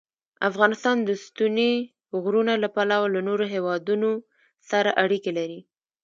افغانستان د ستوني غرونه له پلوه له نورو هېوادونو سره اړیکې لري.